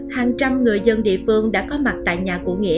hàng trăm người dân địa phương đã có mặt tại nhà của nghĩa